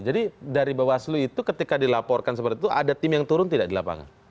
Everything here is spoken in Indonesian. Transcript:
jadi dari bawah seluruh itu ketika dilaporkan seperti itu ada tim yang turun tidak di lapangan